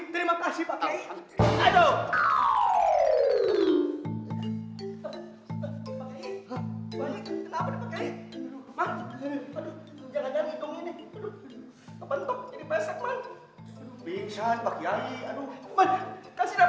terima kasih terima kasih pak kiai